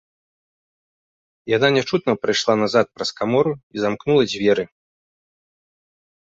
Яна нячутна прайшла назад праз камору і замкнула дзверы.